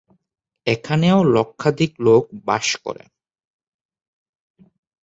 এখানেও লক্ষাধিক লোক বাস করে।